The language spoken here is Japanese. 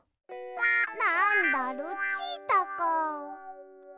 なんだルチータか。